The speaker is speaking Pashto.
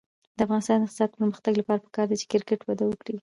د افغانستان د اقتصادي پرمختګ لپاره پکار ده چې کرکټ وده وکړي.